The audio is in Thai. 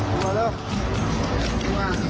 เข้ามาเลย